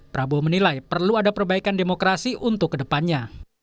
prabowo menilai perlu ada perbaikan demokrasi untuk kedepannya